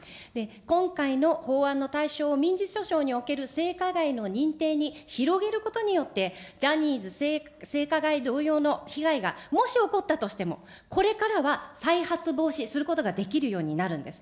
今回の法案の対象を、民事訴訟における性加害の認定に広げることによって、ジャニーズ性加害同様の被害がもし起こったとしても、これからは再発防止することができるようになるんです。